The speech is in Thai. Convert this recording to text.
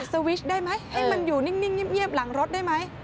สวิชได้ไหมให้มันอยู่นิ่งเงียบหลังรถได้ไหม